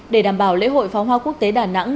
để đảm bảo lễ hội pháo hoa quốc tế đà nẵng